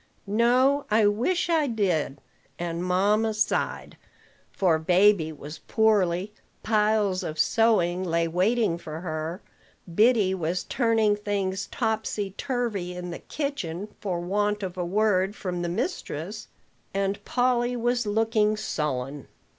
"No: I wish I did." And mamma sighed; for baby was poorly, piles of sewing lay waiting for her, Biddy was turning things topsy turvy in the kitchen for want of a word from the mistress, and Polly was looking sullen.